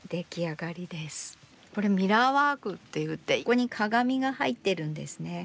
これミラーワークっていってここに鏡が入ってるんですね。